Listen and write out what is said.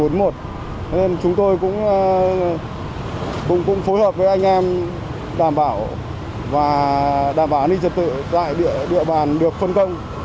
nên chúng tôi cũng phối hợp với anh em đảm bảo và đảm bảo an ninh trật tự tại địa bàn được phân công